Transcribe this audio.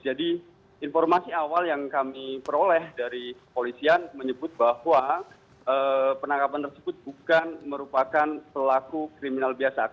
jadi informasi awal yang kami peroleh dari polisian menyebut bahwa penangkapan tersebut bukan merupakan pelaku kriminal biasa